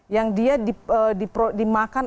yang dia dimakan